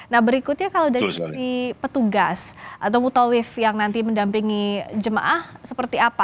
nah berikutnya kalau dari petugas atau mutawif yang nanti mendampingi jemaah seperti apa